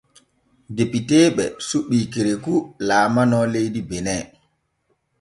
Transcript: Depiteeɓe suɓi Kerekou laalano leydi Benin.